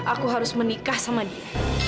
aku harus menikah sama dia